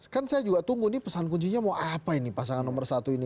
kan saya juga tunggu nih pesan kuncinya mau apa ini pasangan nomor satu ini